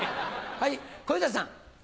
はい小遊三さん。